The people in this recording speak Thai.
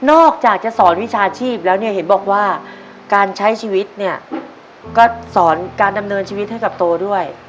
อกจากจะสอนวิชาชีพแล้วเนี่ยเห็นบอกว่าการใช้ชีวิตเนี่ยก็สอนการดำเนินชีวิตให้กับโตด้วย